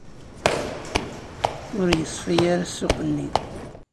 Ur yeṣfi ara ssuq-nni.